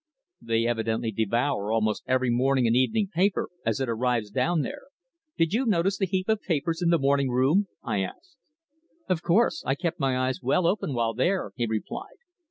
"They evidently devour almost every morning and evening paper as it arrives down there. Did you notice the heap of papers in the morning room?" I asked. "Of course. I kept my eyes well open while there," he replied.